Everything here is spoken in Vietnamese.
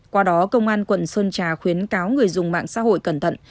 qua đó công an quận sơn trà khuyến cáo người dùng mạng xã hội cẩn thận